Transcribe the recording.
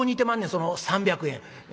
その３００円」。